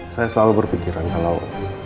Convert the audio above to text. saya selalu berpikiran kalau